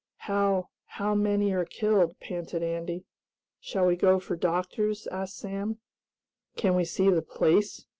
"How how many are killed?" panted Andy. "Shall we go for doctors?" asked Sam. "Can we see the place?"